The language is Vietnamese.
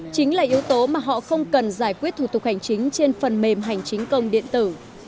chính là yếu tố mà họ không cần giải quyết thủ tục hành chính trên phần mềm hành chính công điện tử